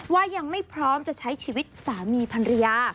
ว่ายังไม่พร้อมจะใช้ชีวิตสามีพันรยา